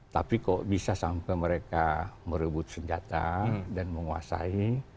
tapi kok bisa sampai mereka merebut senjata dan menguasai